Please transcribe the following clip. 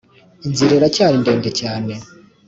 inzira iracyari ndende cyane.